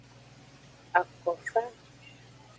Akofa.